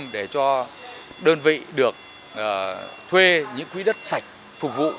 để cho đơn vị được thuê những quý đất sạch phục vụ